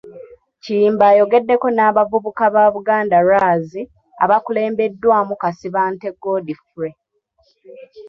Kiyimba ayogedeko n'abavubuka ba Buganda Lwazi, abakulembeddwamu Kasibante Godfrey.